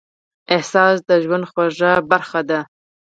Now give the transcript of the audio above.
احساس د ژوند خوږه برخه ده.